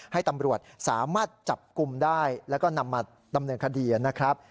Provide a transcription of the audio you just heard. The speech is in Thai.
ให้ตำรวจสามารถจับกลุ่มได้แล้วก็นำมาดำเนินคดีนะครับ